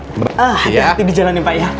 hati hati di jalanin pak ya